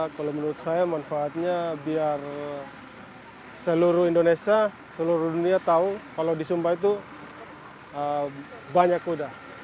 kalau menurut saya manfaatnya biar seluruh indonesia seluruh dunia tahu kalau di sumba itu banyak kuda